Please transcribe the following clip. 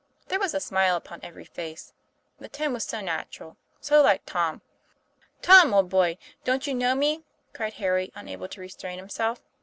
There was a smile upon every face; the tone was so natural, so like Tom. ' Tom, old boy, don't you know me ?" cried Harry, unable to restrain himself.